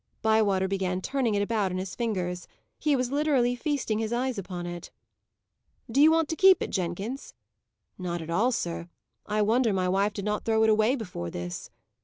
Bywater began turning it about in his fingers; he was literally feasting his eyes upon it. "Do you want to keep it, Jenkins?" "Not at all, sir. I wonder my wife did not throw it away before this."